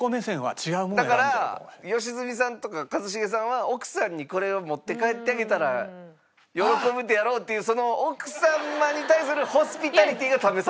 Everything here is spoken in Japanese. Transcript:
だから良純さんとか一茂さんは奥さんにこれを持って帰ってあげたら喜ぶであろうっていう奥様に対するホスピタリティが試されてるという。